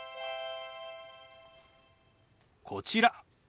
こちら。